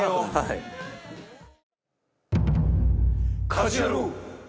『家事ヤロウ！！！』。